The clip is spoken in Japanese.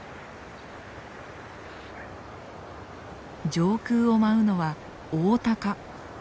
上空を舞うのはオオタカ。